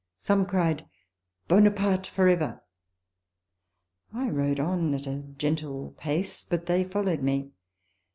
Some cried, " Buonaparte for ever !" I rode on at a gentle pace, but they followed me.